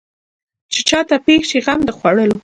چې چا ته پېښ شي غم د خوړلو.